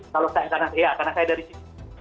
kalau saya karena saya dari sini